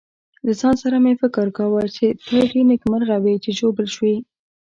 له ځان سره مې فکر کاوه چې ته ډېر نېکمرغه وې چې ژوبل شوې.